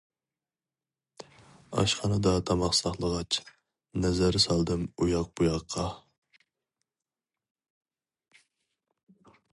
ئاشخانىدا تاماق ساقلىغاچ، نەزەر سالدىم ئۇياق بۇياققا.